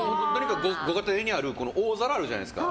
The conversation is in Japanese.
ご家庭にある大皿あるじゃないですか。